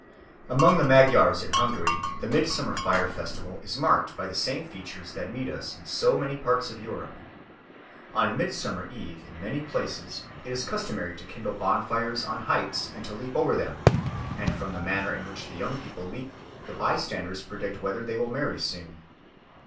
Among the Magyars in Hungary the midsummer fire festival is marked by the same features that meet us in so many parts of Europe. On Midsummer Eve in many places it is customary to kindle bonfires on heights and to leap over them, and from the manner in which the young people leap the bystanders predict whether they will marry soon.